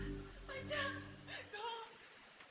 tapi itu bukan mimpi